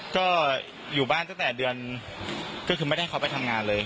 ก็อยู่บ้านตั้งแต่เดือนก็คือไม่ได้ให้เขาไปทำงานเลย